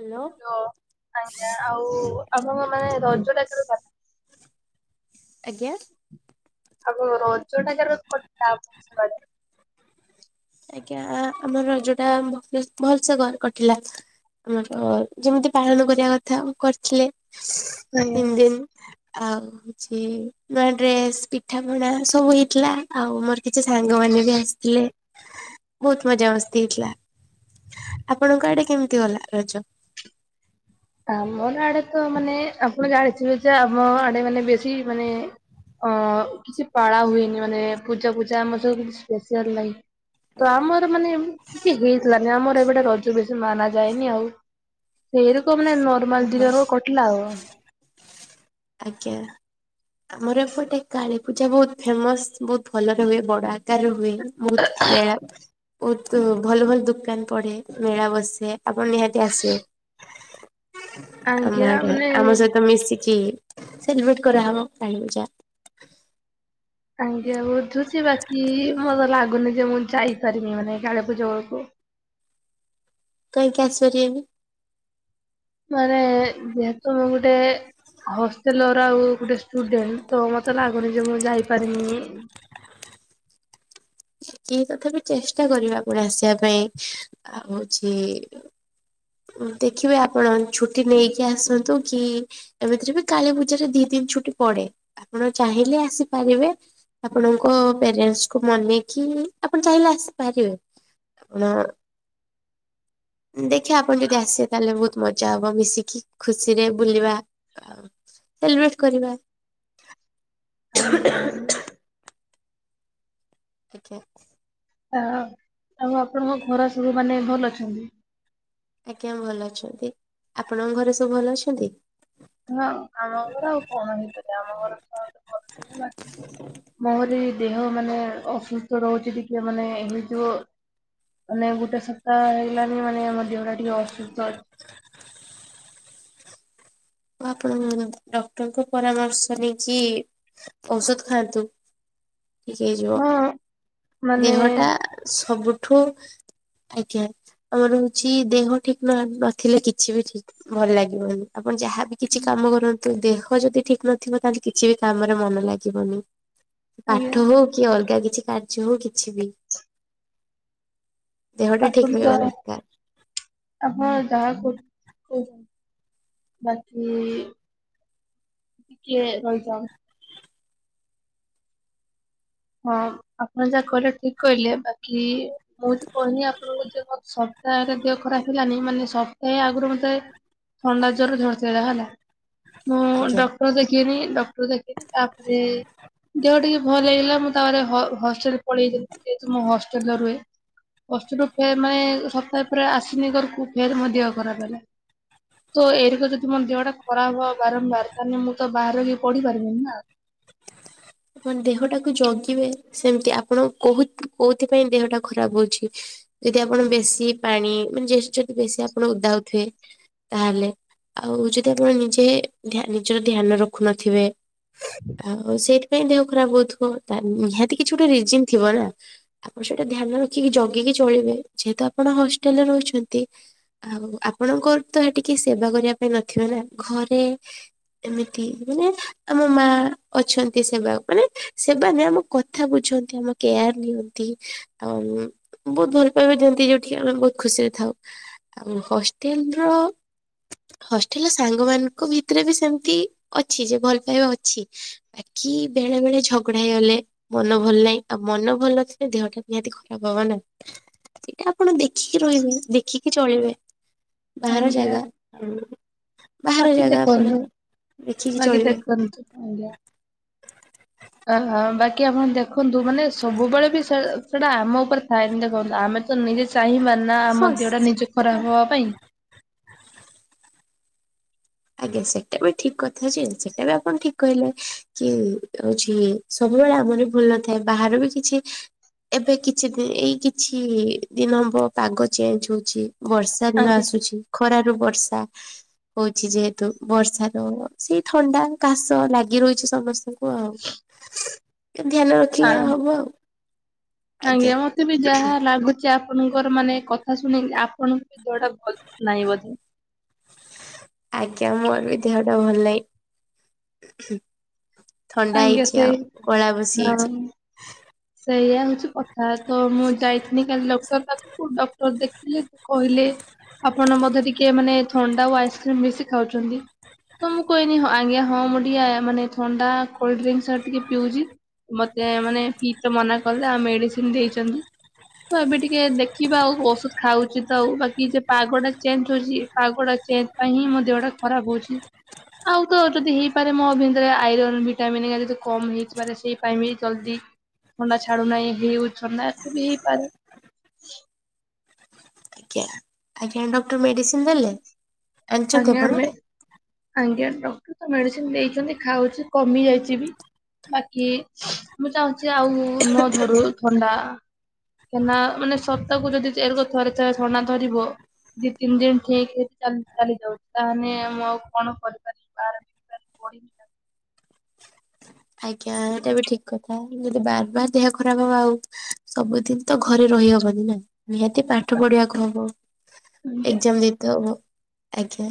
Hello. Hello ଆଜ୍ଞା ଆଉ ଆପଣଙ୍କ ମାନେ ରଜ ଡାକର ପା ଆଜ୍ଞା? ଆଗ ରଜଟାକେର କ ଟା [unintelligible] ଆଜ୍ଞା ଆ ଆମର ରଜଟା ଭୁଲ୍ ଭଲସେ ଘରେ କଟିଲା। ଆମର ଯେମିତି ପାଳନ କରିବା କଥା କରିଥିଲେ ଆଜ୍ଞା। ତିନ୍ ଦିନ୍। ଆଉ ହୋଉଚି ନୂଆ ଡ୍ରେସ ପିଠା ପଣା ସବୁ ହେଇଥିଲା ଆଉ ମୋର କିଛି ସାଙ୍ଗମାନେ ବି ଆସଥିଲେ। ବୋହୁତ ମଜା ମସ୍ତି ହେଇଥିଲା। ଆପଣଙ୍କ ଆଡ଼େ କେମିତି ଗଲା ରଜ? ଆମର ଆଡେ ତ ମାନେ ଆପଣ ଜାଣିଥିବେ ଯେ ଆମ ଆଡେ ବେଶୀ ଆମ ଆଡେ ମାନେ ଅ କିଛି ପାଳା ହୁଏନି ମାନେ ପୂଜା ଫୂଜା ଆମର କିଛି ସ୍ପେସିଆଲ ନାହିଁ। ତ ଆମର ମାନେ କିଛି ହେଇଥିଲାନି ଆମର ଏପଟେ ରଜ ବେ ମାନା ଯାଏନି ଆଉ ସେଇ ରକମ୍ ମାନେ ନର୍ମାଲ ଓହୋ ଦିନ କଟିଲା ଆଉ ଆଜ୍ଞା। ଆମର ଏପଟେ କାଳୀପୂଜା ବହୁତ ଫେମସ ବହୁତ ଭଲରେ ହୁଏ ବଡ ଆକାରରେ ହୁଏ। ବହୁତ ଫେୟାର। ବହୁତ ଭଲ ଭଲ ଦୋକାନ ପଡେ ମେଳା ବସେ ଆପଣ ନିହାତି ଆସିବେ। ଆମ ଆଜ୍ଞା ଆଡେ ମାନେ ଆମ ସହିତ ମିଶିକି ସେଲିବ୍ରେଟ କରାହେବ କାଳୀ ପୂଜା। ଆଜ୍ଞା ବୁଝୁଛି ବାକି ମୋର ଲାଗୁନି ଯେ ମୁଁ ଯାଇପାରିବି ମାନେ କାଳୀପୂଜା ବେଳକୁ। କାହିଁକି ଆସିପାରିବେନି? ମାନେ ଯେହେତୁ ମୁଁ ଗୋଟେ ହଷ୍ଟେଲର ଆଉ ଗୋଟେ ଷ୍ଟୁଡେଣ୍ଟ ତ ମତେ ଲାଗୁନି ଯେ ମୁଁ ଯାଇପାରିନି। ତଥାପି ଚେଷ୍ଟା କରିବା ପୁଣି ଆସିବା ପାଇଁ ଆଉ ହଉଛି। ଦେଖିବେ ଆପଣ ଛୁଟି ନେଇକି ଆସନ୍ତୁ କି? ଏମିତିରେ ବି କାଳୀ ପୂଜାରେ ଦି ଦିନ ଛୁଟି ପଡେ ଆପଣ ଚାହିଁଲେ ଆସିପାରିବେ। ଆପଣଙ୍କ ପ୍ୟାରେଣ୍ଟସକୁ ମନେଇକି ଆପଣ ଚାହିଁଲେ ଆସିପାରିବେ। ଆପଣ ଦେଖ ଆପଣ ଯଦି ଆସିବେ ତାହେଲେ ବହୁତ ମଜା ହବ ମିଶିକି ଖୁସିରେ ବୁଲିବା ଆ ସେଲିବ୍ରେଟ କରିବା। ଆଜ୍ଞା ଆଜ୍ଞା। [inaudible] ଆ ଆଉ ଆପଣଙ୍କ ଘର ସବୁ ମାନେ ଭଲ ଅଛନ୍ତି? ଆଜ୍ଞା ଭଲ ଅଛନ୍ତି ଆପଣଙ୍କ ଘରେ ସବୁ ଭଲ ଅଛନ୍ତି? ହଁ ଆମ ଘର ଆଉ କଣ ହେଇପାରେ ଆମ ଘରତ କରୁଛନ୍ତି ବାକି ମୋରି ଦେହ ମାନେ ଅସୁସ୍ଥ ରହୁଛି ଟିକେ ମାନେ ସେଇତୁ ମାନେ ଗୋଟେ ସପ୍ତାହ ହେଇଗଲାନି ମାନେ ଦେହଟା ଟିକେ ଅସୁସ୍ଥ ଅଛି। ଆପଣ ଡକ୍ଟରଙ୍କ ପରାମର୍ଶ ନେଇକି ଔଷଧ ଖାଆନ୍ତୁ। ଠିକ ହେଇଯିବ ହଁ ମାନେ ଦେହଟା ସବୁଠୁ ଆଜ୍ଞା। ଆମର ହଉଛି ଦେହ ଠିକ ନଥିଲେ କିଛି ବି ଠିକ ଭଲ ଲାଗିବନି ଆପଣ ଯାହା କିଛି କାମ କରନ୍ତୁ ଦେହ ଯଦି ଠିକ ନଥିବ ତାହେଲେ କିଛି ବି କାମରେ ମନ ଲାଗିବନି। ଆଜ୍ଞା ପାଠ ହଉ କି ଅଲଗା କିଛି କାର୍ଯ୍ୟ ହଉ କିଛି ବି ଦେହଟା ଠିକ ଆପୁଲ ତ ରହିବା ଜଣେ ଦରକାର। ଆମର ଯାହା କହୁ ବାକି ଟିକିଏ ରହିଥାନ୍ତୁ। ହଁ ଆପଣ ଯାହା କହିଲେ ଠିକ କହିଲେ ବାକି ମୁଁ କହିନି ଆପଣଙ୍କୁ ଯେ ତା ଦେହ ଖରାପ ହେଲାନି ମାନେ ସପ୍ତାହେ ଆଗରୁ ମତେ ଥଣ୍ଡା ଜର ଧରିଦେଲା ହେଲା। ମୁଁ ଆଜ୍ଞା। ଡକ୍ଟର ଦେଖେଇନି ଡ ଦେଖେଇନି ତାପରେ ଦେହ ଟିକେ ଭଲ ହୋଇଗଲା ମୁଁ ତାପରେ ହଷ୍ଟେଲ ପଳେଇଗଲି ଯେହେତୁ ମୁଁ ହଷ୍ଟେଲରେ ରୁହେ। ହଷ୍ଟେଲରୁ ଫେର ମାନେ ସପ୍ତାହେ ପରେ ଆସିନି ଘରକୁ ଫେର ମୋ ଦେହ ଖରାପ ହେଲା। ତ ଏଇରେ ଯଦି ମୋର ଦେହଟା ଖରାପ୍ ହବ ବାରମ୍ବାର ତାହେଲେ ମୁଁ ତ ବାହାରେ ରହିକି ପଢି ପାରିବିନି ନା? ଆପଣ ଦେହଟାକୁ ଜଗିବେ ସେମିତି ଆପଣ କୋଉ କୋଉଥିପାଇଁ ଦେହଟା ଖରାପ ହଉଛି? ଯଦି ଆପଣ ବେଶୀ ପାଣି ମାନେ ଯଦି ବେଶୀ ଆପଣ ଓଦା ହଉଥିବେ। ତାହେଲେ ଆଉ ଯଦି ଆପଣ ନିଜେ ନିଜର ଧ୍ୟାନ ରଖୁନଥିବେ। ଆଉ ସେଇଥିପାଇଁ ଦେହ ଖରାପ ହେଉଥିବ ନିହାତି କିଛି ଗୋଟେ ରିଜନ ଥିବ ନା। ଆପଣ ସେଇଟା ଧ୍ୟାନ ରଖିକି ଜଗିକି ଚଳିବେ ଯେହେତୁ ଆପଣ ହଷ୍ଟେଲରେ ରହୁଛନ୍ତି। ଆଉ ଆପଣଙ୍କର ତ ଏଠି କିଏ ସେବା କରିବା ପାଇଁ ନଥିବେ ନା ଘରେ ଏମିତି ମାନେ ଆମ ମା ଅଛନ୍ତି। ମାନେ ସେବା ଉପରେ ସେବା ନାହିଁ ଆମ କଥା ବୁଝନ୍ତି ଆମ କେୟାର ନିଅନ୍ତି। ଆଉ ବହୁତ ଭଲ ପାଇବା ଦିଅନ୍ତି ଯୋଉଠିକି ଆମେ ବହୁତ ଖୁସିରେ ଥାଉ ଆଉ ହଷ୍ଟେଲର ହଷ୍ଟେଲର ସାଙ୍ଗମାନଙ୍କ ଭିତରେ ବି ସେମିତି ଅଛି ଯେ ଭଲ ପାଇବା ଅଛି କି ବେଳେ ବେଳେ ଝଗଡା ହେଇଗଲେ ମନ ଭଲ ନାହିଁ ଆଉ ମନ ଭଲ ନଥିଲେ ଦେହଟା ନିହାତି ଖରାପ ହବ ନା ସେଇଟା ଆପଣ ଦେଖିକି ରହିବେ ଦେଖିକି ଚଳିବେ ବାହାର ଆଜ୍ଞା ଜାଗା ହୁଁ ବାକି ଦେଖନ୍ତୁ ବାକି ଚଳିବେ ଦେଖନ୍ତୁ ଆଜ୍ଞା ଅହ ବାକି ଆପଣ ଦେଖନ୍ତୁ ମାନେ ସବୁବେଳେ ବି ସେ ସେଟା ଆମ ଉପରେ ଥାଏନି ଦେଖନ୍ତୁ ଆମେ ତ ନିଜେ ଚାହିଁବାନି ନା ହଁ ଆମ ଦେହଟା ସେ- ନିଜେ ଖରାପ ହବା ପାଇଁ ଆଜ୍ଞା ସେଟା ବି ଠିକ କଥା ଯେ ସେଟା ବି ଆପଣ ଠିକ କହିଲେ କି ହଉଛି ସବୁବେଳେ ଆମର ଭୁଲ ନଥାଏ ବାହାର ବି କିଛି ଏବେ କିଛି ଦି ଏଇ କିଛି ଦିନ ହେବ ପାଗ ଚେଞ୍ଜ ହଉଛି ବର୍ଷା ବର୍ଷା ଦିନ ଆଜ୍ଞା ଆସୁଛି ଖରାରୁୁ ବର୍ଷା ହଉଛି ଯେହେତୁ ବର୍ଷାର ସେଇ ଥଣ୍ଡା କାଶ ଲାଗି ରହିଛି ସମସ୍ତଙ୍କୁ ଆଉ ଧ୍ୟାନ ଆ ରଖିଲେ ହବ ଆଉ ଆଜ୍ଞା ମୋତେ ବି ଯାହା ଲାଗୁଛି ଆପଣଙ୍କର ମାନେ କଥା ଶୁଣିକି ଆପଣ ଦେହଟା ଭଲ ନାହିଁ ବୋଧେ। ଆଜ୍ଞା ମୋର ବି ଦେହଟା ଭଲ ନାହିଁ ଥଣ୍ଡା ଆଜ୍ଞା ହେଇଛି ସେଇ ଆଉ ଗୋଳା ବସି ଯାଇଛି ହଁ। ସେଇଆ ହଉଛି କଥା ତ ମୁଁ ଯାଇଥିଲି କାଲି ଡକ୍ଟର ପାଖକୁ ଡକ୍ଟର ଦେଖିଲେ କହିଲେ ଆପଣ ବୋଧେ ଟିକେ ମାନେ ଥଣ୍ଡା ଓ ଆଇସ୍କ୍ରିମ ବେଶି ଖାଉଛନ୍ତି। ତ ମୁଁ କହିଲି ଆଜ୍ଞା ହଁ ମୁଁ ଟିକେ ମାନେ ଥଣ୍ଡା କୋଲ୍ଡଡ୍ରିଙ୍କସ ଟିକେ ପିଉଛି। ମୋତେ ମାନେ ପିଇତେ ମନା କଲେ ଆଉ ମେଡିସିନ ଦେଇଛନ୍ତି ତ ଏବେ ଟିକେ ଦେଖିବା ଆଉ ଔଷଧ ଖାଉଛି ତ ଆଉ ବାକି ଯେ ପାଗଟା ଚେଞ୍ଜ ହେଉଛି ପାଗ ଟା ଚେଞ୍ଜ ପାଇଁ ହିଁ ମୋ ଦେହଟା ଖରାପ ହଉଛି ଆଉ ତ ଯଦି ହେଇପାରେ ମୋ ଭିତରେ ଆଇରନ୍ ବି ଭିଟାମିନ କମ ହେଇଥିବାରେ ସେଇପାଇଁ ବି ଜଲଦି ଥଣ୍ଡା ଛାଡୁନାହିଁ। ହେଉ ଥଣ୍ଡା ବି ହେଇପାରେ ଆଜ୍ଞା ଆଜ୍ଞା ଡକ୍ଟର ମେଡିସିନ ଦେଲେ ଆଣିଛନ୍ତି ଆଜ୍ଞା ଆପଣ? ଆମେ ଆଜ୍ଞା ଡକ୍ଟର ତ ମେଡିସିନ ଦେଇଛନ୍ତି ଖାଉଛି କମି ଯାଇଛି ବି ବାକି ମୁଁ ଚାହୁଁଛି ଆଉ ନ ଧରୁ ଥଣ୍ଡା କାହିଁକିନା ମାନେ ସପ୍ତାହକୁ ଯଦି ଏରକ ଥରେ ଥରେ ଥଣ୍ଡା ଧରିବ ଦି ତିନି ଦିନ ଠିକ ହେଇ ଚାଲି ଯାଉଛି ତାହେଲେ ମୁଁ ଆଉ କଣ କରିବି? ଆଜ୍ଞା ଏଇଟା ବି ଠିକ କଥା ଯଦି ବାର ବାର ଦେହ ଖରାପ ହବ ଆଉ ସବୁଦିନ ତ ଘରେ ରହିହବନି ନା ନିହାତି ପାଠ ପଢିବାକୁ ହବ। ଆଜ୍ଞା ଏକ୍ଜାମ ଦେଇତେ ହେବ ଆଜ୍ଞା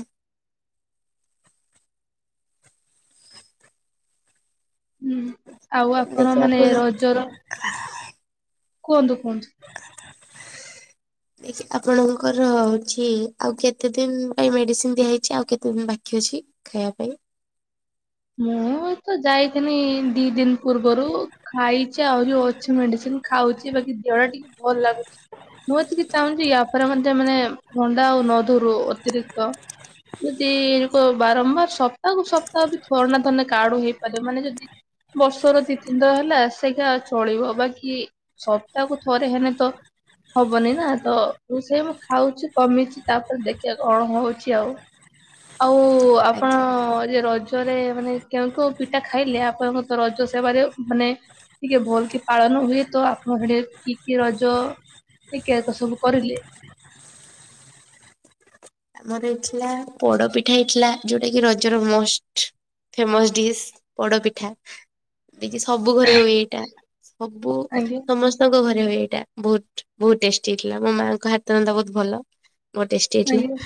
ହୁଁ ଆଉ ଆପଣ ମାନେ ରଜର କୁହନ୍ତୁ କୁହନ୍ତୁ ଦେଇକି ଆପଣଙ୍କର ହେଉଛି ଆଉ କେତେ ଦିନ ପାଇଁ ମେଡ଼ିସିନ ଦିଆହାଇଛି ଆଉ କେତେ ଦିନ ବାକି ଅଛି ଖାଇବା ପାଇଁ ମୁଁ ତ ଯାଇଥିଲିନି ଦି ଦିନ ପୂର୍ବରୁ ଖାଇଛି ଆହୁରି ଅଛି ମେଡିସିନ ଖାଉଛି ବାକି ଦେହ ଟା ଟିକେ ଭଲ ଲାଗୁଛି ମୁଁ ଏତିକି ଚାହୁଁଛି ୟା ପରେ ମୋତେ ମାନେ ଭଣ୍ଡା ଆଉ ନଧରୁ ଅତିରିକ୍ତ ଯଦି ବାରମ୍ବାର ସପ୍ତାହକୁୁ ସପ୍ତାହ ବି ଥଣ୍ଡା ଧରିଲେ କାହାକୁ ବି ହେଇପାରେ ମାନେ ଯଦି ବର୍ଷର ଦି ତିନିଥର ହେଲା ସେଇଗା ଚଳିବ ବାକି ସପ୍ତାହକୁ ଥରେ ହେନେ ତ ହବନି ନା ତ ମେଡିସିନ ମୁଁ ଖାଉଛି କମିଛି ତାପରେ ଦେଖିବାକୁ କଣ ହଉଛି ଆଉ ଆଉ ଆପଣ ଆଜ୍ଞା। ଯେ ରଜ ରଜରେ ମାନେ କେଉଁ କେଉଁ ପିଠା ଖାଇଲେ ଆପଣଙ୍କ ରଜ ସେବାରେ ମାନେ ଟିକେ ଭଲ କି ପାଳନ ହୁଏ ତ ଆପଣ ସେଠି କି କି ରଜ ଟି କେଆର ତ ସବୁ କରିଲେ। ଆମର ଏଇଥିଲା ପୋଡପିଠା ହେଇଥିଲା ଯୋଉଟା କି ରଜର ମୋଷ୍ଟ। ଫେମସ ଡିସ୍ ପୋଡ଼ ପିଠା। ଯିଏକି ସବୁ ଘରେ ହୁଏ ଏଇଟା ସବୁ ଆଜ୍ଞା ସମସ୍ତ ସ୍ତଙ୍କ ଘରେ ହଏ ଏଇଟା ବହୁତ ବହୁତ ଟେଷ୍ଟି ହେଇଥିଲା, ମୋ ମାଆଙ୍କ ହାତ ରନ୍ଧା ବହୁତ ଭଲ। ବହୁତ ଟେଷ୍ଟି ହେଇଥିଲା ଆଜ୍ଞା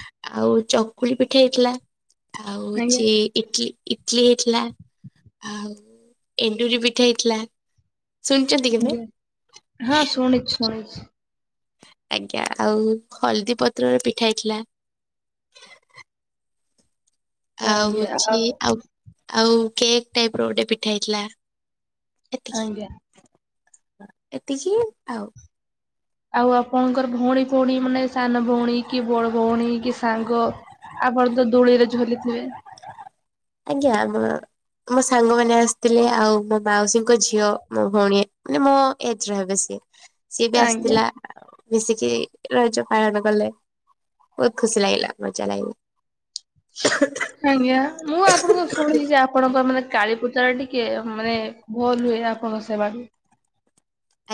ଆଉ ଚକୁଳି ପିଠା ହେଇଥିଲା ଆଉ ଆଜ୍ଞା ହଉଚି ଇଟଲି ଇଟଲି ହେଇଥିଲା ଆଉ ଏଣ୍ଡୁରି ପିଠା ହେଇଥିଲା। ଶୁଣିଚନ୍ତି? ହଁ ଶୁଣିଚି ଶୁଣିଚି। ଆଜ୍ଞା ଆଉ ହଳଦୀ ପତ୍ରରେ ପିଠା ହେଇଥିଲା। ଆଉ ହଉଛି ଆଉ ଆଉ କେକ୍ ଟାଇପ ର ଗୋଟେ ପିଠା ହେଇଥିଲା ଆଜ୍ଞା। ଏତିକି। ଏତିକି ଆଉ। ଆଉ ଆପଣଙ୍କର ଭଉଣୀ ଫଉଣୀ ମାନେ ସାନ ଭଉଣୀ କି ବଡ ଭଉଣୀ କି ସାଙ୍ଗ। ଆପଣ ତ ଦୋଳିରେ ଝୁଲିଥିବେ? ଆଜ୍ଞା ଆମ ମୋ ସାଙ୍ଗମାନେ ଆସିଥିଲେ ଆଉ ମୋ ମାଉସୀଙ୍କ ଝିଅ, ମୋ ଭଉଣୀ ମାନେ ମୋ ଏଜର ହେବେ ସିଏ, ସିଏ ବି ଆଜ୍ଞା ଆସିଥିଲା ମିଶିକି ରଜ ପାଳନ କଲେ। ବହୁତ ଖୁସି ଲାଗିଲା ମଜା ଲାଗିଲା। ଆଜ୍ଞା ମୁଁ ଆପଣଙ୍କ ଶୁଣିୁଛି ଯେ ଆପଣଙ୍କ ମାନେ କାଳୀପୂଜା ଟିକ କେ ମାନେ ଭଲ ହୁଏ ଆପଣସ ମାନ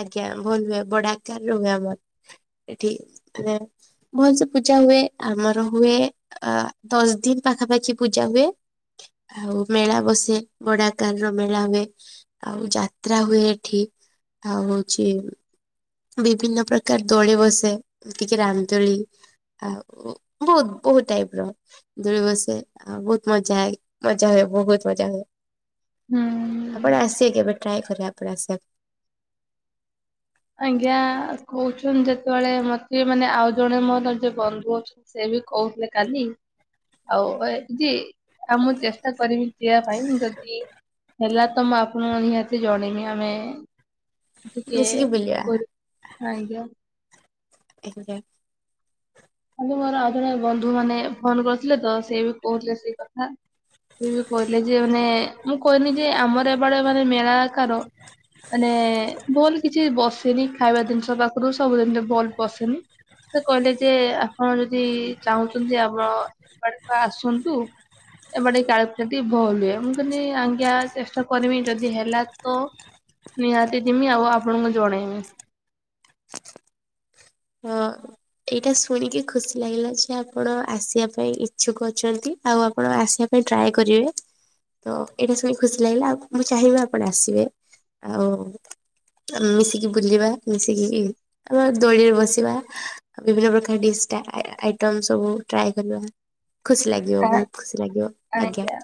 ଆଜ୍ଞା ଭଲ ହୁଏ ବଡ ଆକାରରେ ହୁଏ ଆମର ଏଠି ମାନେ ଭଲ ସେ ପୂଜା ହୁଏ ଆମର ହୁଏ। ଅ ଦଶ ଦିନ ପାଖାପାଖି ପୂଜା ହୁଏ। ଆଉ ମେଳା ବସେ ବଡ ଆକାର ର ମେଳା ହୁଏ ଆଉ ଯାତ୍ରା ହୁଏ ଏଠି। ଆଉ ହଉଛି ବିଭିନ୍ନ ପ୍ରକାର ଦୋଳି ବସେ ଏତିକି ରାମ ଦୋଳି। ଆଉ ବହୁତ ବହୁତ ଟାଇପ ର। ଦୋଳି ବସେ ଆଉ ବହୁତ ମଜା ହଏ ମଜା ହୁଏ ବହୁତ ମଜା ହୁଏ। ଆପଣ ହୁଁ ଆସିବା କେବେ ଟ୍ରାଏ କରିବେ ଆପଣ ଆସିବାକୁ? ଆଜ୍ଞା କହୁଛନ୍ତି ଯେତେବେଳେ ମତେ ମାନେ ଆଉ ଜଣେ ମୋର ଯେ ବନ୍ଧୁ ଅଛନ୍ତି। ସେ ବି କହୁଥିଲେ କାଲି ଆଉ ଏ ଜି ଆଉ ମୁଁ ଚେଷ୍ଟା କରିବି ଯିିବା ପାଇଁ ଯଦି ହେଲା ତ ମୁଁ ଆପଣଙ୍କ ନିହାତି ଜଣେଇମି ଆମେ ଟିକେ, ମିଶିକି ବୁଲିବା ଆଜ୍ଞା। ଆଜ୍ଞା। ଆଜି ମୋର ଆଉ ଜଣେ ବନ୍ଧୁ ମାନେ ଫୋନ କରିଥିଲେ ତ ସେ ବି କହୁଥିଲେ ସେଇ କଥା। ସିଏବି କହିଲେ ଯେ ମାନେ ମୁଁ କହନି ଯେ ଆମର ଏବେଡ ମାନେ ମେଳା ଆକାର ମାନେ ଭଲ କିଛି ବସେନି ଖାଇବା ଜିନିଷ ପାଖରୁ ସବୁଦିନ ବଲ ବସେନି ସେ କହିଲେ ଯେ ଆପଣ ଯଦି ଚାହୁଁଛନ୍ତି ଆପଣ ଏପଡ ଆସନ୍ତୁ। ଏପଟେ କାଳୀ ପୂଜାଟି ଭଲ ହୁଏ, ମୁଁ କିହିଲି ଆଜ୍ଞା ଚେଷ୍ଟା କରିବି ଯଦି ହେଲା ତ। ନିହାତି ଯିମି ଆଉ ଆପଣଙ୍କୁ ଜଣେଇବି। ହଁ ଏଇଟା ଶୁଣିକି ଖୁସି ଲାଗିଲା ଯେ ଆପଣ ଆସିବା ପାଇଁ ଇଚ୍ଛୁକ ଅଛନ୍ତି। ଆଉ ଆପଣ ଆସିବା ପାଇଁ ଟ୍ରାଏ କରିବେ। ତ ଏଇଟା ଶୁଣି ଖୁସି ଲାଗିଲା, ଆଉ ମୁଁ ଚାହିଁବି ଆପଣ ଆସିବେ ଆଉ ଆମେ ମିଶିକି ବୁଲିବା ମିଶିକି ଆମର ଦୋଳିରେ ବସ ସିବା ଆଉ ବିଭିନ୍ନ ପ୍ରକାର ଡ଼ିସ ଟା ଆଇଟମ୍ ସବୁ ଟ୍ରାଏ କରିବା, ଖୁସି ଲାଗି ଆଁ ଆଜ୍ଞା।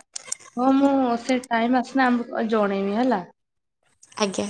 ହଁ ମୁଁ ସେ ଟାଇମ ଆସନା ଆମକୁ ଜଣେଇବି ହେଲା? ଆଜ୍ଞା।